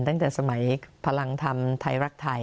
ตั้งแต่สมัยพลังธรรมไทยรักไทย